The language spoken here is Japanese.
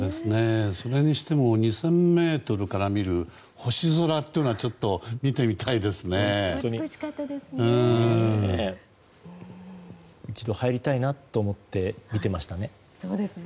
それにしても２０００ｍから見る星空というのは本当に美しかったですね。